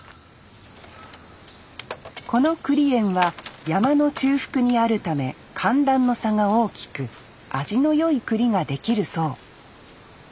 この栗園は山の中腹にあるため寒暖の差が大きく味のよい栗ができるそう。